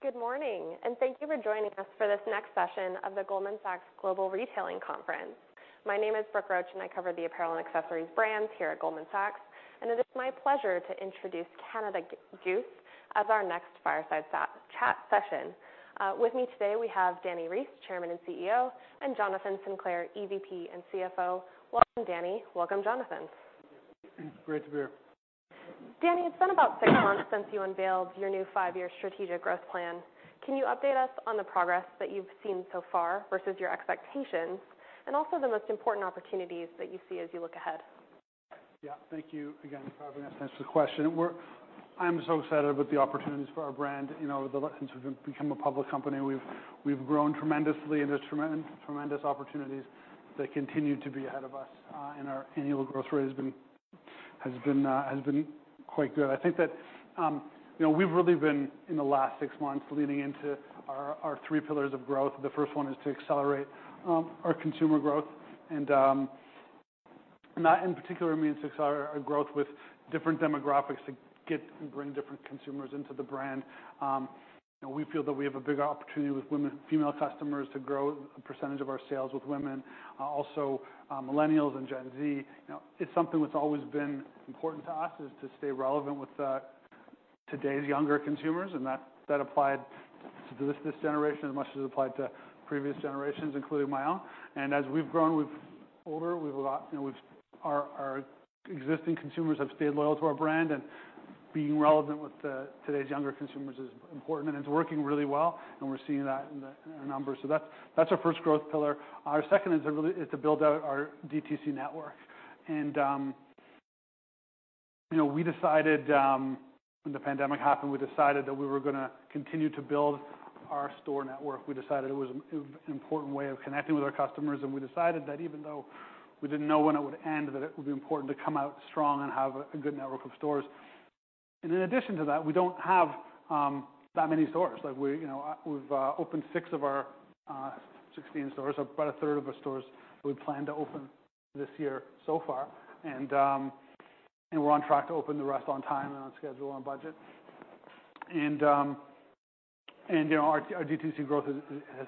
Good morning, and thank you for joining us for this next session of the Goldman Sachs Global Retailing Conference. My name is Brooke Roach, and I cover the apparel and accessories brands here at Goldman Sachs, and it is my pleasure to introduce Canada Goose as our next fireside chat session. With me today we have Dani Reiss, Chairman and CEO, and Jonathan Sinclair, EVP and CFO. Welcome, Dani. Welcome, Jonathan. Great to be here. Dani, it's been about six months since you unveiled your new five-year strategic growth plan. Can you update us on the progress that you've seen so far versus your expectations, and also the most important opportunities that you see as you look ahead? Yeah. Thank you again for the opportunity to answer the question. I'm so excited about the opportunities for our brand. You know, since we've become a public company, we've grown tremendously, and there's tremendous opportunities that continue to be ahead of us. And our annual growth rate has been quite good. I think that, you know, we've really been, in the last six months, leaning into our three pillars of growth. The first one is to accelerate our consumer growth and that in particular means to accelerate our growth with different demographics to get and bring different consumers into the brand. You know, we feel that we have a big opportunity with women, female customers to grow a percentage of our sales with women. Also, Millennials and Gen Z. You know, it's something that's always been important to us, is to stay relevant with today's younger consumers, and that, that applied to this, this generation as much as it applied to previous generations, including my own. And as we've grown older, you know, our existing consumers have stayed loyal to our brand, and being relevant with today's younger consumers is important, and it's working really well, and we're seeing that in our numbers. So that's our first growth pillar. Our second is to really build out our DTC network. You know, we decided when the pandemic happened, we decided that we were gonna continue to build our store network. We decided it was an important way of connecting with our customers, and we decided that even though we didn't know when it would end, that it would be important to come out strong and have a good network of stores. And in addition to that, we don't have that many stores. Like we, you know, we've opened six of our 16 stores, about a third of our stores we plan to open this year so far. And we're on track to open the rest on time and on schedule, on budget. And, you know, our DTC growth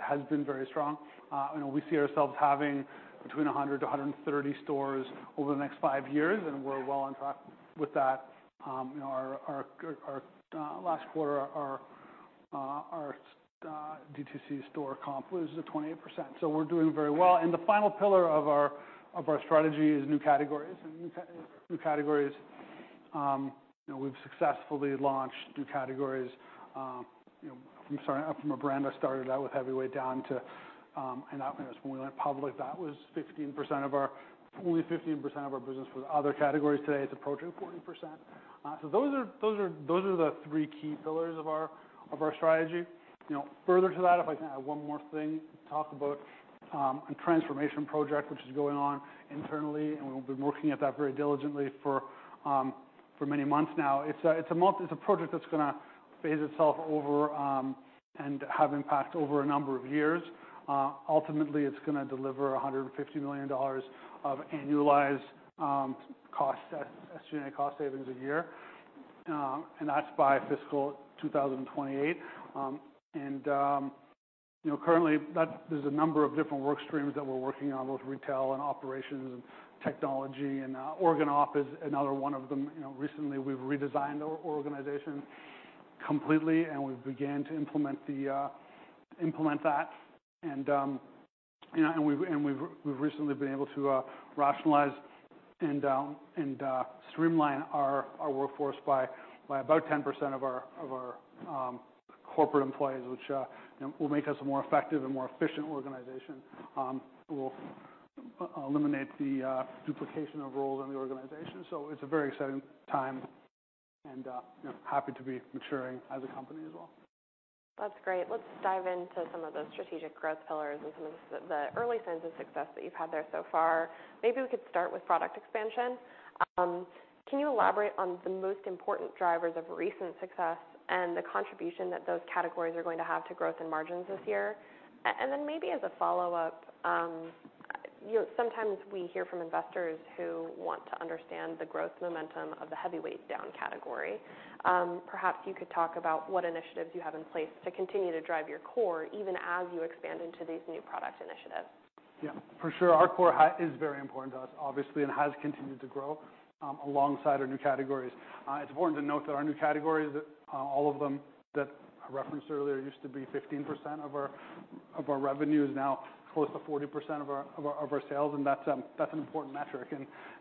has been very strong. And we see ourselves having between 100-130 stores over the next five years, and we're well on track with that. You know, our last quarter, our DTC store comp was at 28%, so we're doing very well. The final pillar of our strategy is new categories. New categories, you know, we've successfully launched new categories. You know, from starting up from a brand, I started out with heavyweight down to, and when we went public, that was 15% of our only 15% of our business was other categories. Today, it's approaching 40%. So those are the three key pillars of our strategy. You know, further to that, if I can add one more thing, to talk about a transformation project which is going on internally, and we've been working at that very diligently for many months now. It's a project that's gonna phase itself over and have impact over a number of years. Ultimately, it's gonna deliver $150 million of annualized cost SG&A cost savings a year, and that's by fiscal 2028. And you know, currently, that there's a number of different work streams that we're working on, both retail and operations and technology, and org op is another one of them. You know, recently, we've redesigned our organization completely, and we've began to implement the implement that. And we've recently been able to rationalize and streamline our workforce by about 10% of our corporate employees, which will make us a more effective and more efficient organization. It will eliminate the duplication of roles in the organization. So it's a very exciting time and, you know, happy to be maturing as a company as well. That's great. Let's dive into some of the strategic growth pillars and some of the early signs of success that you've had there so far. Maybe we could start with product expansion. Can you elaborate on the most important drivers of recent success and the contribution that those categories are going to have to growth and margins this year? And then maybe as a follow-up, you know, sometimes we hear from investors who want to understand the growth momentum of the heavyweight down category. Perhaps you could talk about what initiatives you have in place to continue to drive your core, even as you expand into these new product initiatives. Yeah, for sure. Our core is very important to us, obviously, and has continued to grow alongside our new categories. It's important to note that our new categories, all of them that I referenced earlier, used to be 15% of our revenue, is now close to 40% of our sales, and that's an important metric.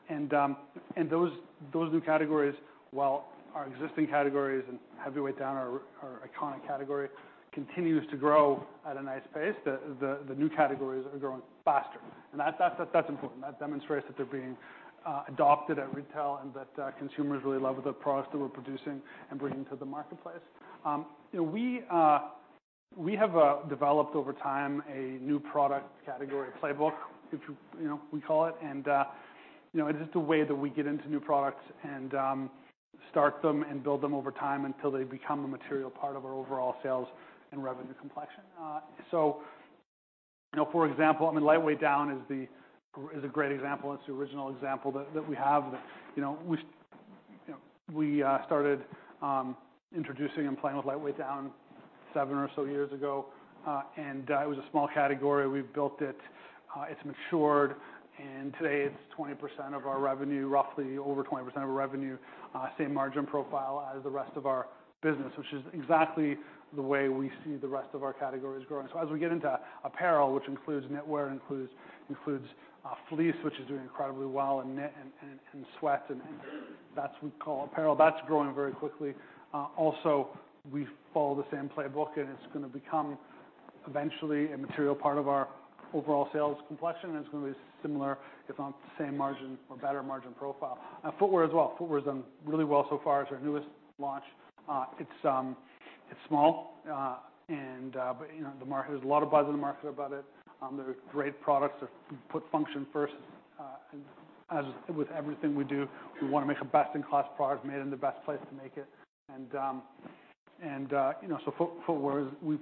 And those new categories, while our existing categories and heavyweight down, our iconic category, continues to grow at a nice pace, the new categories are growing faster, and that's important. That demonstrates that they're being adopted at retail and that consumers really love the products that we're producing and bringing to the marketplace. You know, we have developed over time a new product category playbook, which, you know, we call it, and, you know, it is the way that we get into new products and start them and build them over time until they become a material part of our overall sales and revenue complexion. You know, for example, I mean, lightweight down is the, is a great example. It's the original example that, that we have. You know, we started introducing and playing with lightweight down seven or so years ago. And it was a small category. We've built it, it's matured, and today it's 20% of our revenue, roughly over 20% of our revenue. Same margin profile as the rest of our business, which is exactly the way we see the rest of our categories growing. So as we get into apparel, which includes knitwear, fleece, which is doing incredibly well, and knit and sweat, and that's what we call apparel. That's growing very quickly. Also, we follow the same playbook, and it's gonna become eventually a material part of our overall sales complexion. It's gonna be similar, if not the same margin or better margin profile. And footwear as well. Footwear's done really well so far. It's our newest launch. It's small, but you know, the market. There's a lot of buzz in the market about it. They're great products. They put function first. As with everything we do, we wanna make a best-in-class product made in the best place to make it. You know, so footwear, we,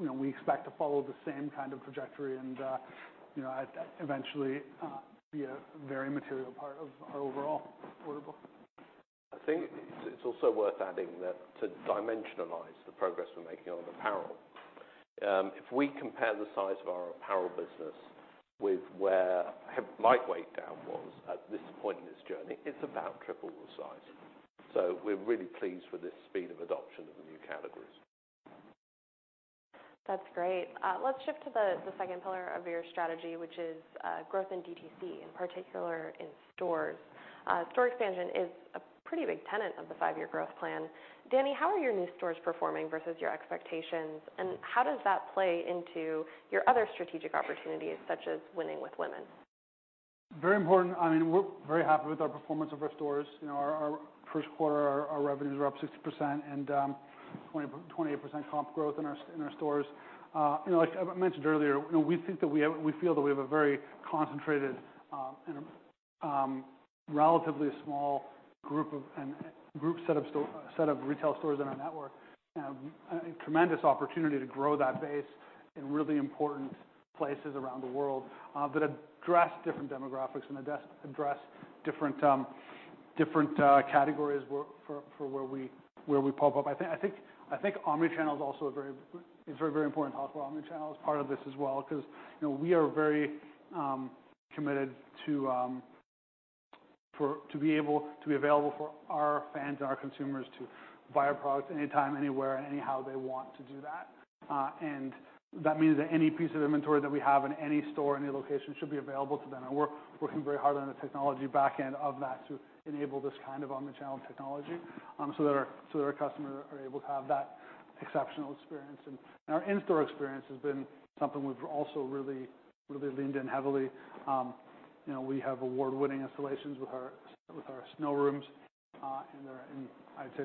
you know, we expect to follow the same kind of trajectory and, you know, eventually, be a very material part of our overall wearable. I think it's also worth adding that to dimensionalize the progress we're making on apparel. If we compare the size of our apparel business with where lightweight down was at this point in this journey, it's about triple the size. So we're really pleased with this speed of adoption of the new categories. That's great. Let's shift to the second pillar of your strategy, which is growth in DTC, in particular in stores. Store expansion is a pretty big tenet of the five-year growth plan. Dani, how are your new stores performing versus your expectations, and how does that play into your other strategic opportunities, such as winning with women? Very important. I mean, we're very happy with our performance of our stores. You know, our Q1, our revenues are up 60% and 28% comp growth in our stores. You know, like I mentioned earlier, you know, we think that we have, we feel that we have a very concentrated and relatively small group set of retail stores in our network. A tremendous opportunity to grow that base in really important places around the world that address different demographics and address different categories work for where we pop up. I think omnichannel is also a very, it's very, very important how well omnichannel is part of this as well, 'cause, you know, we are very committed to be able to be available for our fans and our consumers to buy our products anytime, anywhere, and anyhow they want to do that. And that means that any piece of inventory that we have in any store, any location, should be available to them. And we're working very hard on the technology back end of that to enable this kind of omnichannel technology, so that our customers are able to have that exceptional experience. And our in-store experience has been something we've also really, really leaned in heavily. You know, we have award-winning installations with our snow rooms, and they're, and I'd say,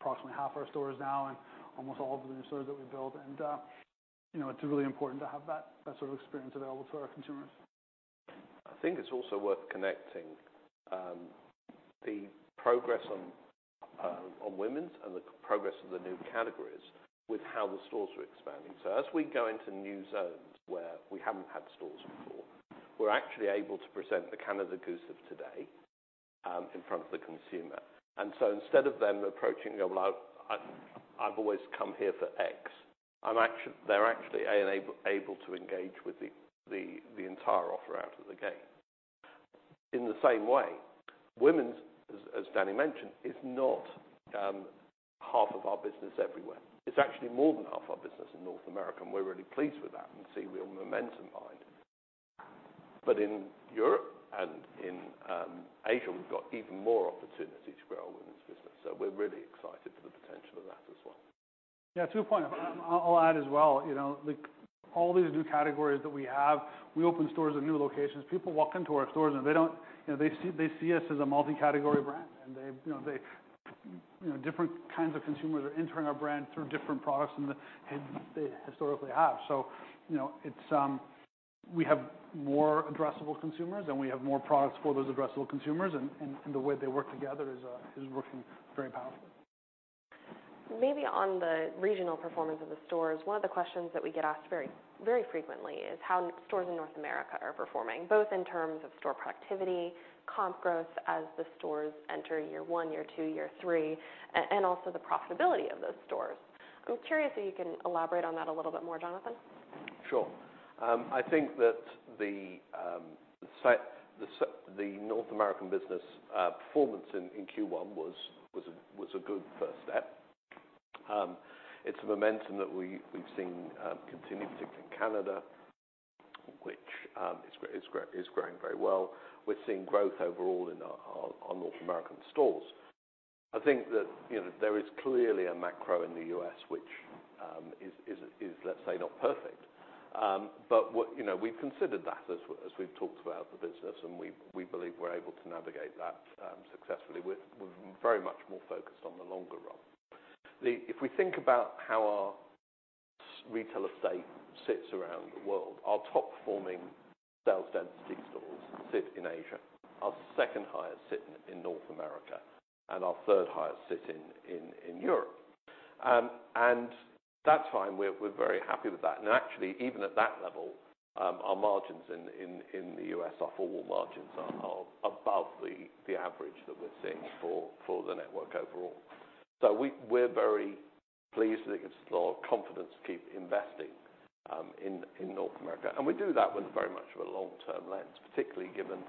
approximately half our stores now and almost all of the new stores that we build. And, you know, it's really important to have that sort of experience available to our consumers. I think it's also worth connecting the progress on women's and the progress of the new categories with how the stores are expanding. So as we go into new zones where we haven't had stores before, we're actually able to present the Canada Goose of today in front of the consumer. And so instead of them approaching, "Well, I've always come here for X," they're actually able to engage with the entire offer out of the gate. In the same way, women's, as Dani mentioned, is not half of our business everywhere. It's actually more than half our business in North America, and we're really pleased with that and see real momentum behind it. But in Europe and in Asia, we've got even more opportunity to grow our women's business. We're really excited for the potential of that as well. Yeah, two point I'll add as well, you know, like all these new categories that we have, we open stores in new locations. People walk into our stores, and they don't, You know, they see, they see us as a multi-category brand, and they, you know, they, you know, different kinds of consumers are entering our brand through different products than they historically have. So, you know, it's we have more addressable consumers, and we have more products for those addressable consumers, and, and the way they work together is working very powerfully. Maybe on the regional performance of the stores, one of the questions that we get asked very, very frequently is how stores in North America are performing, both in terms of store productivity, comp growth, as the stores enter year 1, year 2, year 3, and also the profitability of those stores. I'm curious if you can elaborate on that a little bit more, Jonathan. Sure. I think that the North American business performance in Q1 was a good first step. It's a momentum that we've seen continue, particularly in Canada, which is growing very well. We're seeing growth overall in our North American stores. I think that, you know, there is clearly a macro in the US which is, let's say, not perfect. But what, You know, we've considered that as we've talked about the business, and we believe we're able to navigate that successfully. We're very much more focused on the longer run. If we think about how our retail estate sits around the world, our top-performing sales densities sit in Asia, our second highest sit in North America, and our third highest sit in Europe. That's fine. We're very happy with that. And actually, even at that level, our margins in the U.S., our full margins are above the average that we're seeing for the network overall. So we're very pleased and it gives a lot of confidence to keep investing in North America. And we do that with very much of a long-term lens, particularly given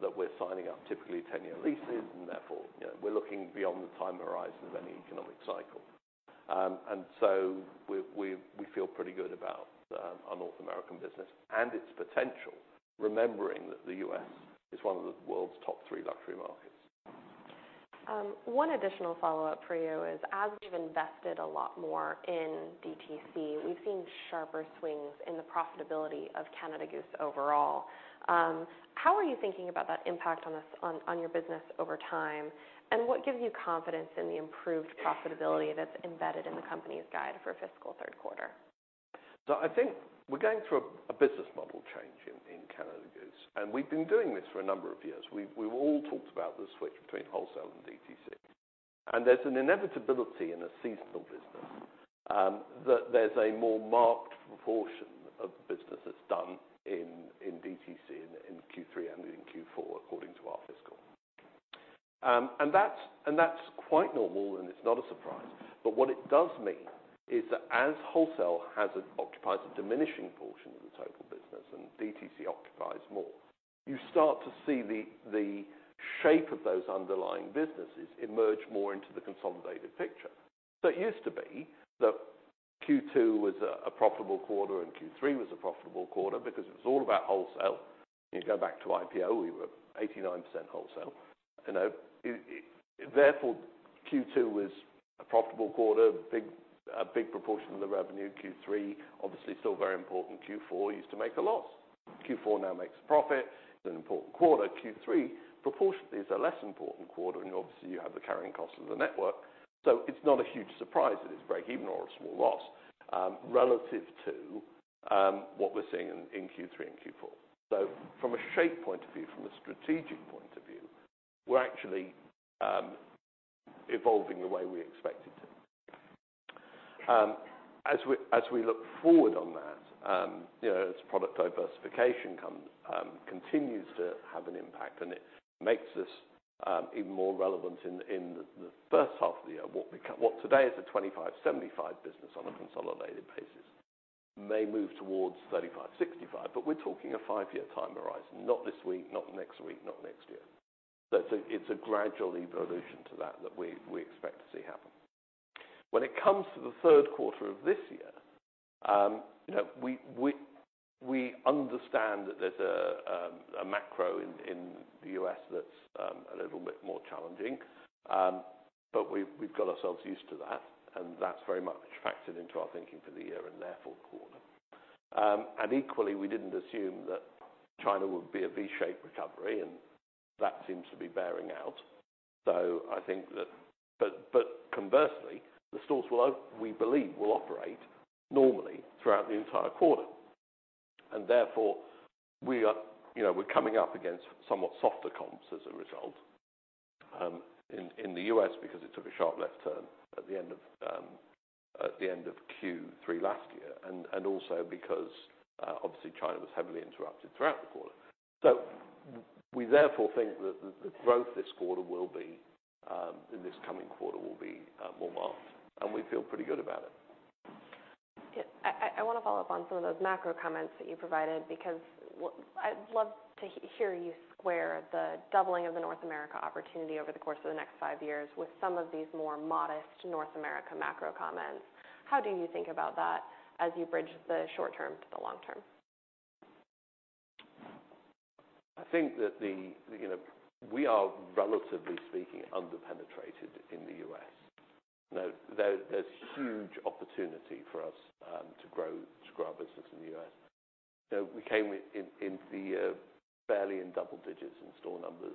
that we're signing up typically 10-year leases, and therefore, you know, we're looking beyond the time horizon of any economic cycle. And so we feel pretty good about our North American business and its potential, remembering that the U.S. is one of the world's top three luxury markets. One additional follow-up for you is, as we've invested a lot more in DTC, we've seen sharper swings in the profitability of Canada Goose overall. How are you thinking about that impact on this, on your business over time? And what gives you confidence in the improved profitability that's embedded in the company's guide for fiscal third quarter? So I think we're going through a business model change in Canada Goose, and we've been doing this for a number of years. We've all talked about the switch between wholesale and DTC. And there's an inevitability in a seasonal business that there's a more marked proportion of business that's done in DTC in Q3 and in Q4, according to our fiscal. And that's quite normal, and it's not a surprise. But what it does mean is that as wholesale occupies a diminishing portion of the total business and DTC occupies more, you start to see the shape of those underlying businesses emerge more into the consolidated picture. So it used to be that Q2 was a profitable quarter, and Q3 was a profitable quarter because it was all about wholesale. You go back to IPO, we were 89% wholesale. You know, it therefore Q2 was a profitable quarter, a big proportion of the revenue. Q3, obviously, still very important. Q4 used to make a loss. Q4 now makes a profit. It's an important quarter. Q3, proportionately, is a less important quarter, and obviously, you have the carrying cost of the network. So it's not a huge surprise that it's break-even or a small loss relative to what we're seeing in Q3 and Q4. So from a shape point of view, from a strategic point of view, we're actually evolving the way we expected to. As we look forward on that, you know, as product diversification continues to have an impact, and it makes us even more relevant in the first half of the year. What today is a 25, 75 business on a consolidated basis, may move towards 35, 65, but we're talking a five-year time horizon, not this week, not next week, not next year. So it's a gradual evolution to that that we expect to see happen. When it comes to the third quarter of this year, you know, we understand that there's a macro in the U.S. that's a little bit more challenging. But we've got ourselves used to that, and that's very much factored into our thinking for the year and therefore, quarter. And equally, we didn't assume that China would be a V-shaped recovery, and that seems to be bearing out. So I think that. But conversely, the stores will, we believe, operate normally throughout the entire quarter, and therefore, we are, you know, we're coming up against somewhat softer comps as a result, in the U.S., because it took a sharp left turn at the end of Q3 last year, and also because, obviously, China was heavily interrupted throughout the quarter. So we therefore think that the growth in this coming quarter will be more marked, and we feel pretty good about it. Yeah. I want to follow up on some of those macro comments that you provided, because what I'd love to hear you square the doubling of the North America opportunity over the course of the next five years with some of these more modest North America macro comments. How do you think about that as you bridge the short term to the long term? I think that the, you know, we are, relatively speaking, underpenetrated in the U.S. Now, there, there's huge opportunity for us, to grow, to grow our business in the U.S. So we came with in, in the, barely in double digits in store numbers.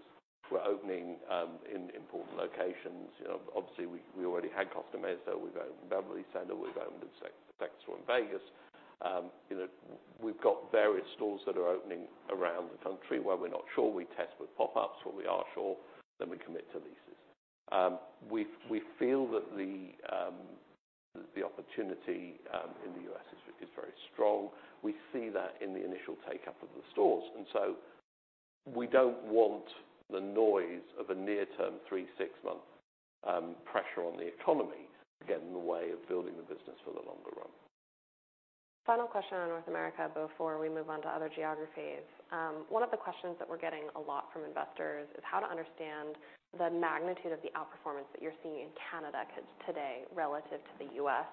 We're opening, in important locations. You know, obviously, we, we already had customers, so we've opened in Beverly Center, we've opened in Saks Fifth Avenue in Las Vegas. You know, we've got various stores that are opening around the country where we're not sure, we test with pop-ups. Where we are sure, then we commit to leases. We, we feel that the, the opportunity, in the U.S. is, is very strong. We see that in the initial take-up of the stores, and so we don't want the noise of a near-term 3-6-month pressure on the economy to get in the way of building the business for the longer run. Final question on North America before we move on to other geographies. One of the questions that we're getting a lot from investors is how to understand the magnitude of the outperformance that you're seeing in Canada today, relative to the U.S.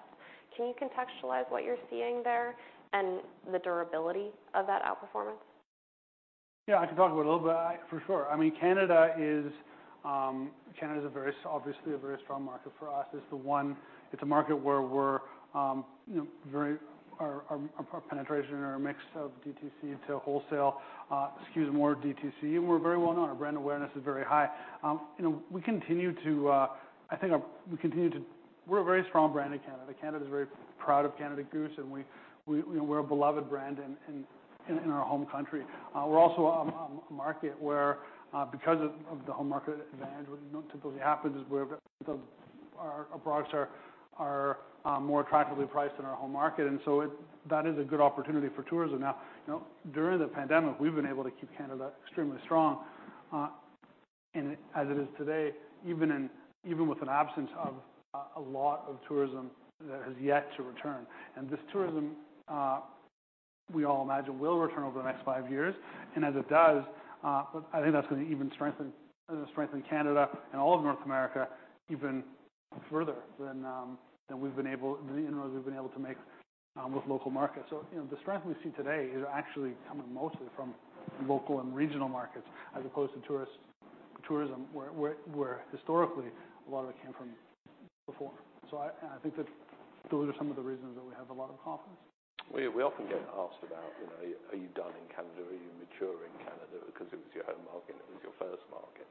Can you contextualize what you're seeing there and the durability of that outperformance? Yeah, I can talk about it a little bit. For sure. I mean, Canada is, obviously, a very strong market for us is the one. It's a market where we're, you know, very, our penetration or our mix of DTC to wholesale, skews more DTC, and we're very well known. Our brand awareness is very high. You know, we continue to, I think, we continue to. We're a very strong brand in Canada. Canada is very proud of Canada Goose, and we, you know, we're a beloved brand in our home country. We're also a market where, because of the home market advantage, what, you know, typically happens is where our products are more attractively priced in our home market. That is a good opportunity for tourism. Now, you know, during the pandemic, we've been able to keep Canada extremely strong. As it is today, even with an absence of a lot of tourism that has yet to return. This tourism we all imagine will return over the next five years, and as it does, I think that's gonna even strengthen Canada and all of North America even further than we've been able, you know, we've been able to make with local markets. So, you know, the strength we see today is actually coming mostly from local and regional markets, as opposed to tourism, where historically a lot of it came from before. So, I think that those are some of the reasons that we have a lot of confidence. We often get asked about, you know, "Are you done in Canada? Are you mature in Canada? Because it was your home market, and it was your first market."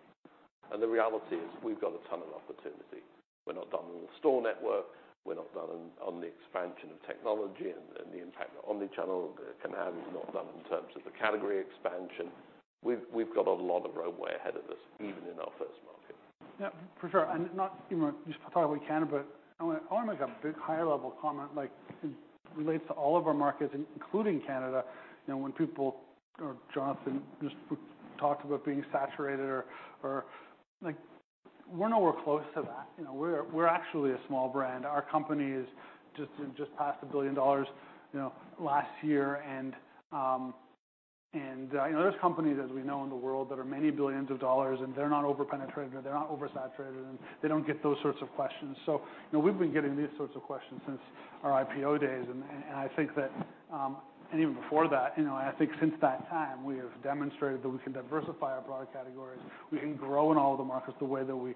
And the reality is, we've got a ton of opportunity. We're not done with the store network. We're not done on the expansion of technology and the impact of omni-channel. Canada is not done in terms of the category expansion. We've got a lot of runway ahead of us, even in our first market. Yeah, for sure, and not, you know, just talking about Canada, but I wanna, I wanna make a big high-level comment, like, it relates to all of our markets, including Canada. You know, when people or Jonathan just talked about being saturated or... Like, we're nowhere close to that. You know, we're actually a small brand. Our company just passed 1 billion dollars, you know, last year. And, you know, there's companies, as we know, in the world, that are many billions of CAD, and they're not over-penetrated, or they're not oversaturated, and they don't get those sorts of questions. So, you know, we've been getting these sorts of questions since our IPO days, and I think that, and even before that, you know, I think since that time, we have demonstrated that we can diversify our product categories. We can grow in all the markets the way that we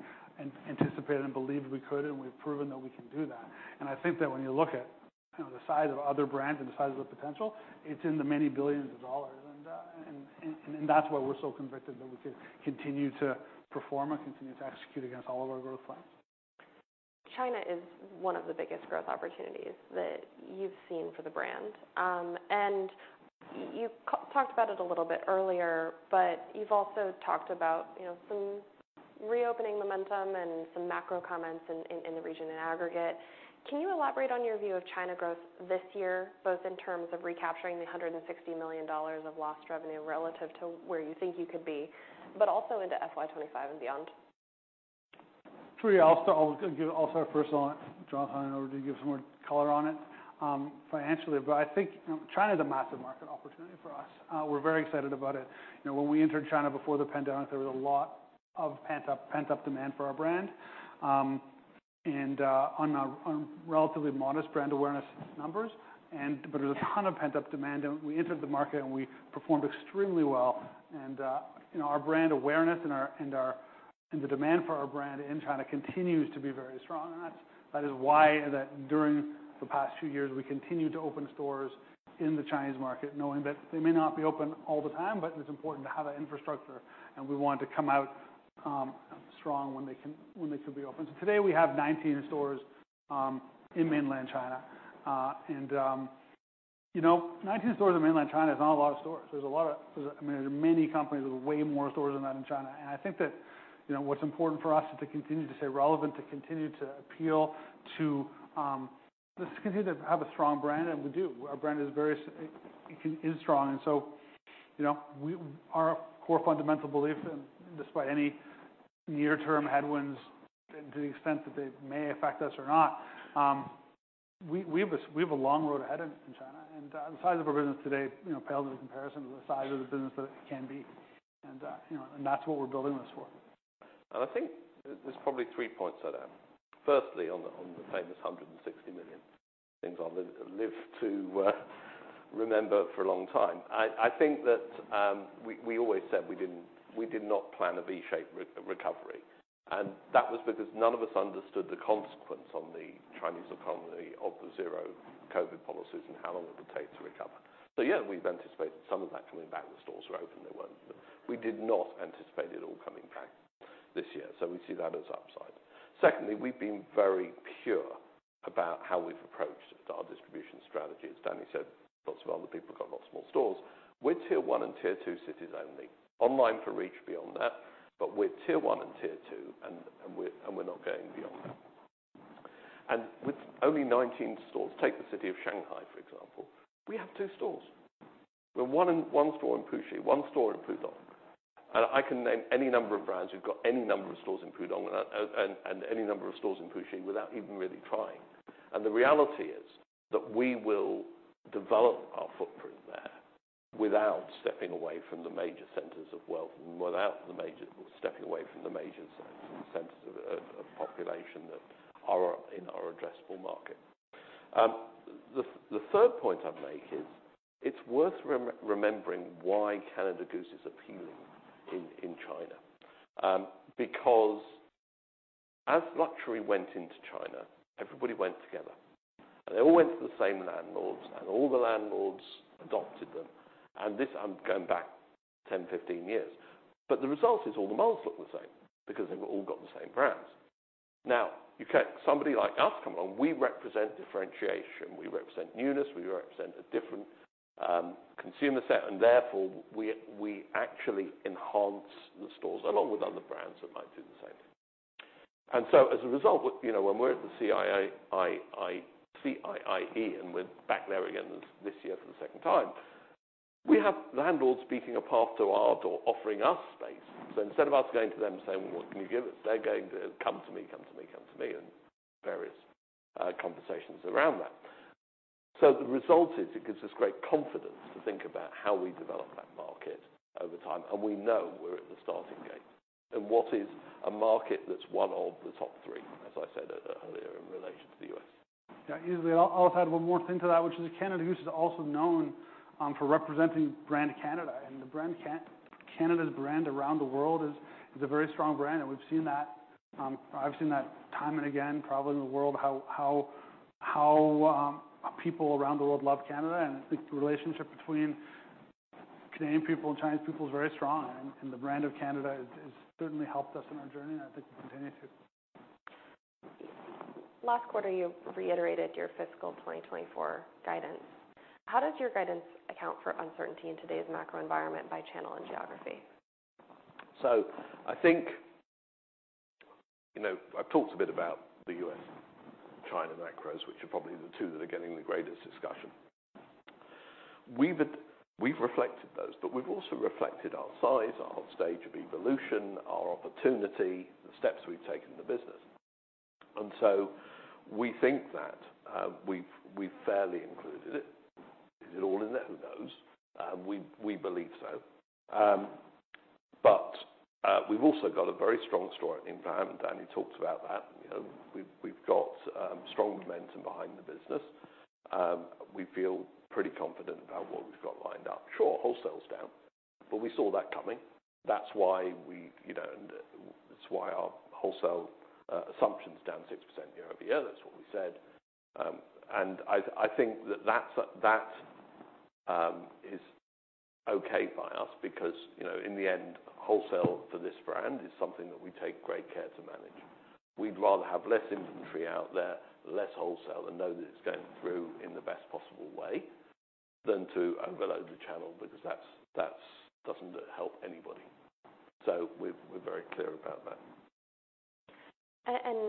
anticipated and believed we could, and we've proven that we can do that. I think that when you look at, you know, the size of other brands and the size of the potential, it's in the many billions of dollars. That's why we're so convicted that we can continue to perform and continue to execute against all of our growth plans. China is one of the biggest growth opportunities that you've seen for the brand. You talked about it a little bit earlier, but you've also talked about, you know, some reopening momentum and some macro comments in the region in aggregate. Can you elaborate on your view of China growth this year, both in terms of recapturing the 160 million dollars of lost revenue relative to where you think you could be, but also into FY 2025 and beyond? Sure. I'll start. I'll give also our first line, Jonathan, in order to give some more color on it, financially. But I think, you know, China is a massive market opportunity for us. We're very excited about it. You know, when we entered China before the pandemic, there was a lot of pent-up demand for our brand. And on relatively modest brand awareness numbers, but there was a ton of pent-up demand, and we entered the market, and we performed extremely well. And you know, our brand awareness and the demand for our brand in China continues to be very strong. And that's why during the past few years, we continued to open stores in the Chinese market, knowing that they may not be open all the time. It's important to have that infrastructure, and we want to come out strong when they can, when they could be open. So today, we have 19 stores in mainland China. And you know, 19 stores in mainland China is not a lot of stores. There's a lot of. I mean, there are many companies with way more stores than that in China. And I think that, you know, what's important for us is to continue to stay relevant, to continue to appeal to just continue to have a strong brand, and we do. Our brand is very strong, and so, you know, we. Our core fundamental belief, and despite any near-term headwinds, to the extent that they may affect us or not, we have a long road ahead in China. And, the size of our business today, you know, pales in comparison to the size of the business that it can be. And, you know, and that's what we're building this for. I think there's probably three points to that. Firstly, on the famous 160 million, things I'll live to remember for a long time. I think that we always said we didn't, we did not plan a V-shaped recovery, and that was because none of us understood the consequence on the Chinese economy of the zero COVID policies and how long it would take to recover. So yeah, we've anticipated some of that coming back. The stores were open, they weren't. But we did not anticipate it all coming back this year, so we see that as upside. Secondly, we've been very pure about how we've approached our distribution strategy. As Dani said, lots of other people have got lots more stores. We're tier one and tier two cities only. Online for reach beyond that, but we're tier one and tier two, and we're not going beyond that. With only 19 stores, take the city of Shanghai, for example. We have two stores. We have one store in Puxi, one store in Pudong. I can name any number of brands who've got any number of stores in Pudong and any number of stores in Puxi without even really trying. The reality is that we will develop our footprint there without stepping away from the major centers of wealth and without stepping away from the major centers of population that are in our addressable market. The third point I'd make is, it's worth remembering why Canada Goose is appealing in China. Because as luxury went into China, everybody went together, and they all went to the same landlords, and all the landlords adopted them. This, I'm going back 10, 15 years. The result is all the malls look the same because they've all got the same brands. Now, you get somebody like us come along, we represent differentiation, we represent newness, we represent a different consumer set, and therefore, we actually enhance the stores, along with other brands that might do the same. So, as a result, you know, when we're at the CIIE, and we're back there again this year for the second time, we have landlords beating a path to our door, offering us space. So instead of us going to them and saying, "Well, what can you give us?" They're going to, "Come to me, come to me, come to me," and various conversations around that. So the result is, it gives us great confidence to think about how we develop that market over time, and we know we're at the starting gate. And what is a market that's one of the top three, as I said earlier, in relation to the U.S.. Yeah, easily. I'll add one more thing to that, which is Canada Goose is also known for representing brand Canada, and Canada's brand around the world is a very strong brand, and we've seen that. I've seen that time and again, probably in the world, how people around the world love Canada. And I think the relationship between Canadian people and Chinese people is very strong, and the brand of Canada has certainly helped us in our journey, and I think it continues to. Last quarter, you reiterated your fiscal 2024 guidance. How does your guidance account for uncertainty in today's macro environment by channel and geography? So I think, you know, I've talked a bit about the U.S., China macros, which are probably the two that are getting the greatest discussion. We've reflected those, but we've also reflected our size, our stage of evolution, our opportunity, the steps we've taken in the business. And so we think that we've fairly included it. Is it all in there? Who knows? We believe so. But we've also got a very strong story in Vietnam, and Dani talked about that. You know, we've got strong momentum behind the business. We feel pretty confident about what we've got lined up. Sure, wholesale's down, but we saw that coming. That's why we, you know, That's why our wholesale assumption's down 6% year-over-year. That's what we said. I think that that's okay by us because, you know, in the end, wholesale for this brand is something that we take great care to manage. We'd rather have less inventory out there, less wholesale, and know that it's going through in the best possible way, than to overload the channel, because that doesn't help anybody. So we're very clear about that.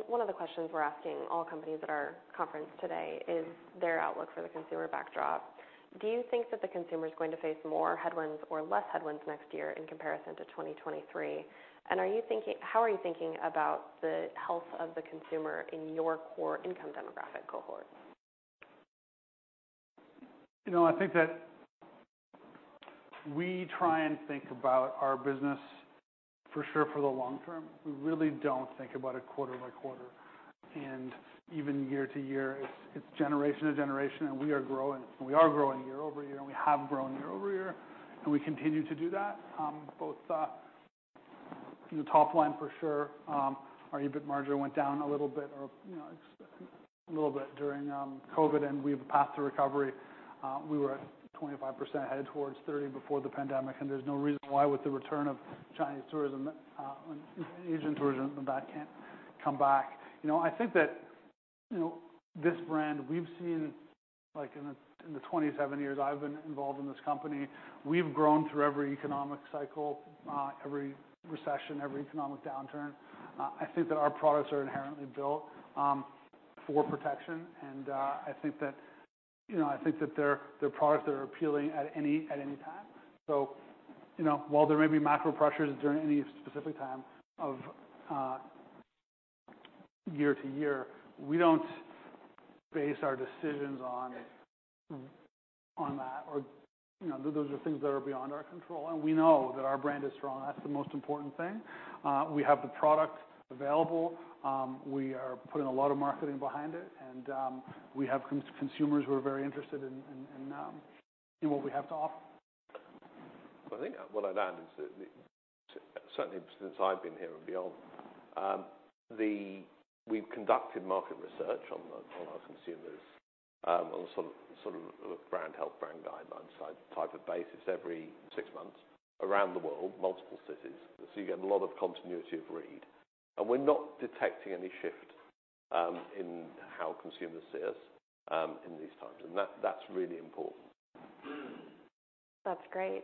One of the questions we're asking all companies at our conference today is their outlook for the consumer backdrop. Do you think that the consumer is going to face more headwinds or less headwinds next year in comparison to 2023? Are you thinking, how are you thinking about the health of the consumer in your core income demographic cohort? You know, I think that we try and think about our business for sure, for the long term. We really don't think about it quarter-by-quarter and even year-to-year. It's, it's generation to generation, and we are growing. We are growing year-over-year, and we have grown year-over-year, and we continue to do that, both, in the top line for sure. Our EBIT margin went down a little bit or, you know, a little bit during, COVID, and we've passed a recovery. We were at 25%, headed towards 30% before the pandemic, and there's no reason why, with the return of Chinese tourism, and Asian tourism, that can't come back. You know, I think that, you know, this brand, we've seen, like in the, in the 27 years I've been involved in this company, we've grown through every economic cycle, every recession, every economic downturn. I think that our products are inherently built for protection, and I think that, you know, I think that they're, they're products that are appealing at any, at any time. So, you know, while there may be macro pressures during any specific time of year to year, we don't base our decisions on that, or, you know, those are things that are beyond our control, and we know that our brand is strong. That's the most important thing. We have the product available. We are putting a lot of marketing behind it, and we have consumers who are very interested in what we have to offer. I think what I'd add is that certainly since I've been here and beyond, we've conducted market research on our consumers, on a sort of, sort of brand health, brand guidelines type of basis every six months around the world, multiple cities. So you get a lot of continuity of read, and we're not detecting any shift in how consumers see us in these times. And that's really important. That's great.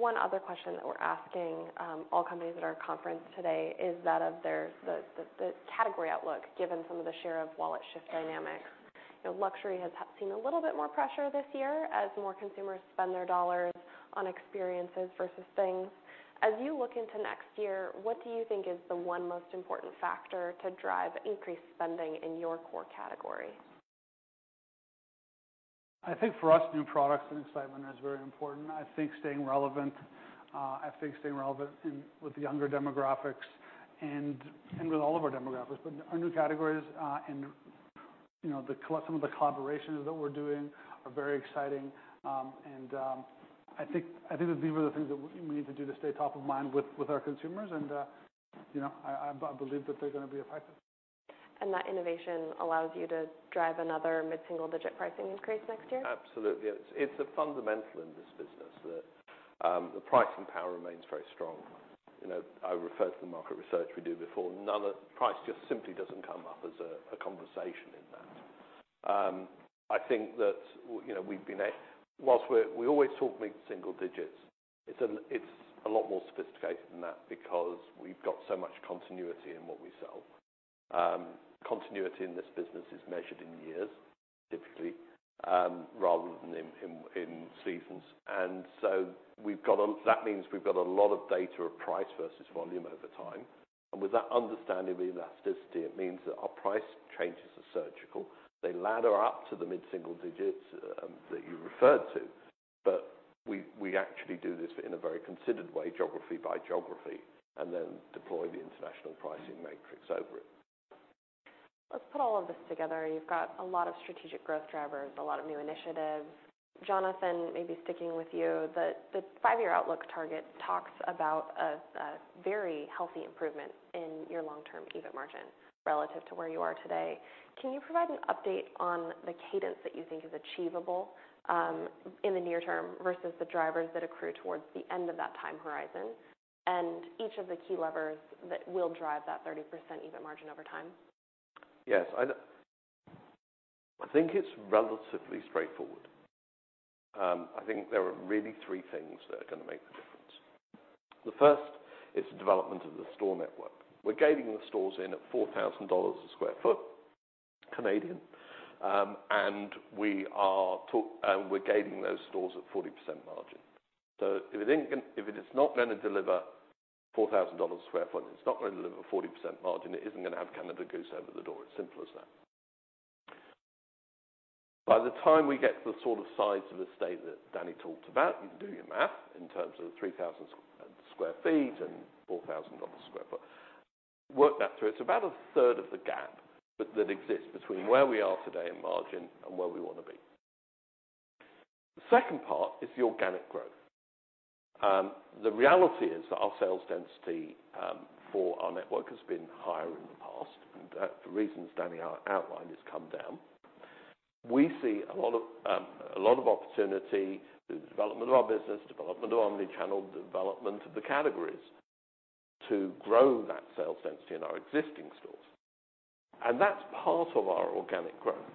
One other question that we're asking all companies at our conference today is that of their category outlook, given some of the share of wallet shift dynamics. You know, luxury has seen a little bit more pressure this year as more consumers spend their dollars on experiences versus things. As you look into next year, what do you think is the one most important factor to drive increased spending in your core category? I think for us, new products and excitement is very important. I think staying relevant with the younger demographics and with all of our demographics. But our new categories and, you know, some of the collaborations that we're doing are very exciting. And I think that these are the things that we need to do to stay top of mind with our consumers, and you know, I believe that they're gonna be effective. That innovation allows you to drive another mid-single-digit pricing increase next year? Absolutely. It's a fundamental in this business that the pricing power remains very strong. You know, I referred to the market research we did before. Price just simply doesn't come up as a conversation in that. I think that, you know, we've been whilst we're, we always talk mid-single digits, it's a lot more sophisticated than that because we've got so much continuity in what we sell. Continuity in this business is measured in years, typically, rather than in seasons. And so that means we've got a lot of data of price versus volume over time. And with that understanding of the elasticity, it means that our price changes are surgical. They ladder up to the mid-single digits that you referred to, but we actually do this in a very considered way, geography by geography, and then deploy the international pricing matrix over it. Let's put all of this together. You've got a lot of strategic growth drivers, a lot of new initiatives. Jonathan, maybe sticking with you, the five-year outlook target talks about a very healthy improvement in your long-term EBIT margin relative to where you are today. Can you provide an update on the cadence that you think is achievable, in the near term, versus the drivers that accrue towards the end of that time horizon, and each of the key levers that will drive that 30% EBIT margin over time? Yes, I think it's relatively straightforward. I think there are really three things that are gonna make the difference. The first is the development of the store network. We're gating the stores in at 4,000 dollars a sq ft, Canadian. And we're gating those stores at 40% margin. So if it ain't gonna, if it is not gonna deliver CAD 4,000 a sq ft, it's not gonna deliver a 40% margin, it isn't gonna have Canada Goose over the door. It's simple as that. By the time we get to the sort of size of the estate that Dani talked about, you can do your math in terms of 3,000 sq ft and 4,000 dollars a sq ft. Work that through. It's about a third of the gap that, that exists between where we are today in margin and where we wanna be. The second part is the organic growth. The reality is that our sales density for our network has been higher in the past, and for reasons Dani outlined, has come down. We see a lot of, a lot of opportunity through the development of our business, development of omnichannel, development of the categories, to grow that sales density in our existing stores. And that's part of our organic growth,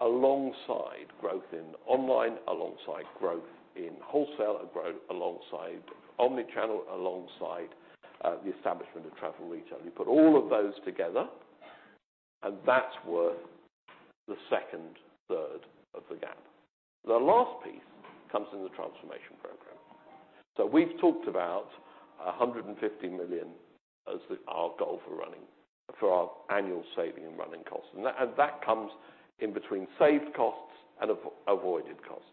alongside growth in online, alongside growth in wholesale, and growth alongside omnichannel, alongside the establishment of travel retail. You put all of those together, and that's worth the second third of the gap. The last piece comes in the transformation program. So we've talked about 150 million as the, our goal for running, for our annual saving and running costs, and that, and that comes in between saved costs and avoided costs.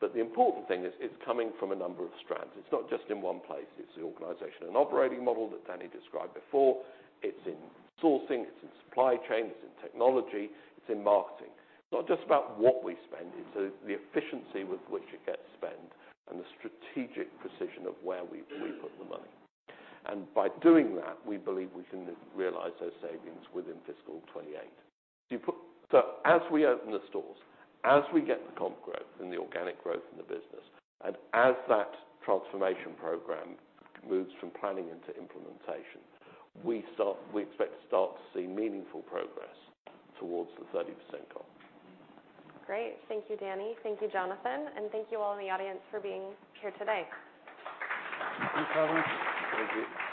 But the important thing is, it's coming from a number of strands. It's not just in one place. It's the organization and operating model that Dani described before. It's in sourcing, it's in supply chain, it's in technology, it's in marketing. It's not just about what we spend, it's the, the efficiency with which it gets spent and the strategic precision of where we, we put the money. And by doing that, we believe we can realize those savings within fiscal 2028. You put. As we open the stores, as we get the comp growth and the organic growth in the business, and as that transformation program moves from planning into implementation, we start, we expect to start to see meaningful progress towards the 30% goal. Great. Thank you, Dani. Thank you, Jonathan, and thank you all in the audience for being here today. Thanks, everyone. Thank you.